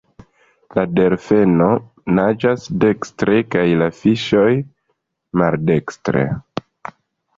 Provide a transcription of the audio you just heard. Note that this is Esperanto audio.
La Delfeno naĝas dekstre, kaj la Fiŝoj maldekstre.